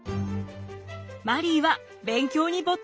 マリーは勉強に没頭！